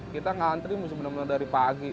kita ngantri sebenarnya dari pagi